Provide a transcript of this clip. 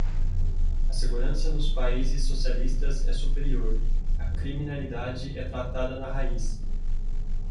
A segurança nos países socialistas é superior, a criminalidade é tratada na raiz